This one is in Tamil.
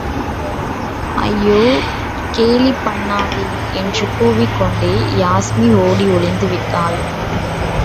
ஐயோ, கேலிபண்ணாதே! என்று கூவிக் கொண்டே யாஸ்மி ஒடி ஒளிந்து விட்டாள்.